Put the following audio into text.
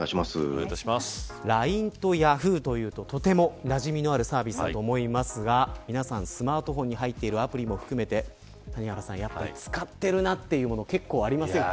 ＬＩＮＥとヤフーというととてもなじみのあるサービスだと思いますが皆さん、スマートフォンに入っているアプリも含めて使ってるなというもの結構ありませんか。